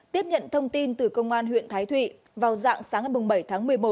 tiếp nhận thông tin từ công an huyện thái thụy vào dạng sáng ngày bảy tháng một mươi một